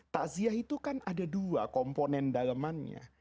takziah itu kan ada dua komponen dalemannya